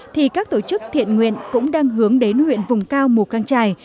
thì các tổ chức thiện nguyện cũng đang hướng đến huyện vùng cao mù căng trải